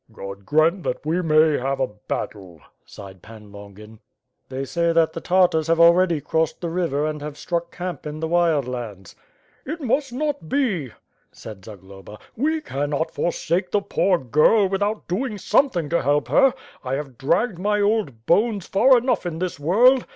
"God grant that we may have a battle," sighed Pan Longin. "They say that the Tartars have already crossed the river and have struck camp in the Wild Lands." "It must not be," said Zagloba. "We cannot forsake the poor girl without doing something to help her. I have dragged my old bones far enough in this world.